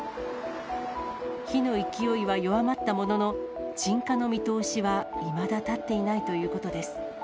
火の勢いは弱まったものの、鎮火の見通しはいまだ立っていないということです。